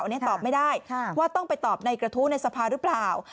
อันนี้ตอบไม่ได้ว่าต้องไปตอบในกระทู้ในสภาหรือเปล่า